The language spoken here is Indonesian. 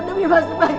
demi mas mbah ini